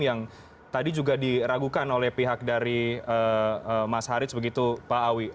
yang tadi juga diragukan oleh pihak dari mas harij begitu pak awi